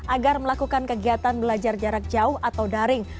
agar melakukan kegiatan belajar jarak jauh atau daring